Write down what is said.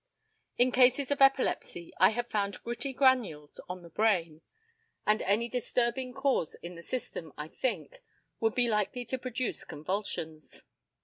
In cases of epilepsy I have found gritty granules on the brain; and any disturbing cause in the system, I think, would be likely to produce convulsions.